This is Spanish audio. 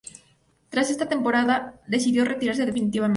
Tras esa temporada, decidió retirarse definitivamente.